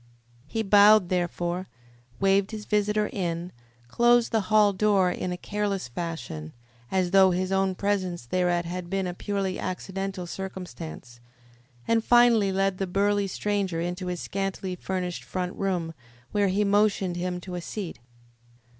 He bowed, therefore, waved his visitor in, closed the hall door in a careless fashion, as though his own presence thereat had been a purely accidental circumstance, and finally led the burly stranger into his scantily furnished front room, where he motioned him to a seat.